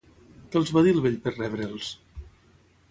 Què els va dir el vell per rebre'ls?